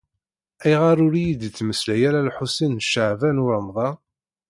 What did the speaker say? Ayɣer ur iyi-d-ittmeslay ara Lḥusin n Caɛban u Ṛemḍan?